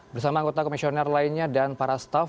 bersama anggota komisioner lainnya dan para staff